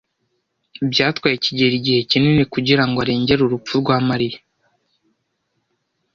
Byatwaye kigeli igihe kinini kugirango arengere urupfu rwa Mariya.